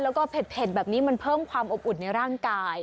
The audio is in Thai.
แล้วก็เผ็ดแบบนี้มันเพิ่มความอบอุ่นในร่างกาย